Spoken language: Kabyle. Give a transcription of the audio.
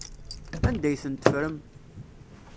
Anda ay ten-teffrem?